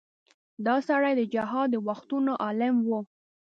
دا سړی د جهاد د وختونو عالم و.